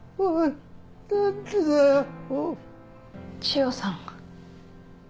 千代さん。